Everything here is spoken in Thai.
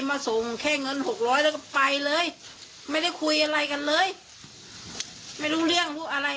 มาส่งแค่เงิน๖๐๐บาทไปเลยไม่ได้คุยอะไรกันเลยไม่รู้เรื่องอะไร